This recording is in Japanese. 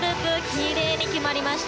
きれいに決まりました。